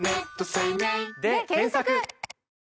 で検索！